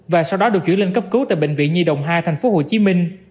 và sau đó được chuyển lên cấp cứu tại bệnh viện nhi đồng hai thành phố hồ chí minh